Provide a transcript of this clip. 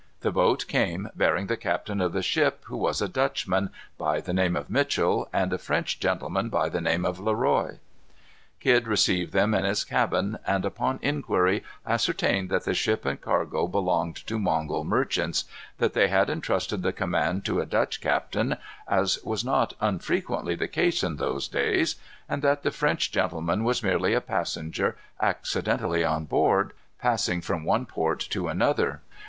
The boat came bearing the captain of the ship, who was a Dutchman, by the name of Mitchel, and a French gentleman by the name of Le Roy. Kidd received them in his cabin, and upon inquiry ascertained that the ship and cargo belonged to Mongol merchants; that they had intrusted the command to a Dutch captain, as was not unfrequently the case in those days, and that the French gentleman was merely a passenger accidently on board, passing from one port to another.